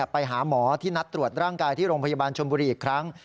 ไปหาหมอที่นัดตรวจร่างกายที่โรงพยาบาลชนบุรีอีกครั้ง